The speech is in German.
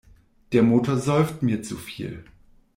Der Motor säuft mir zu viel.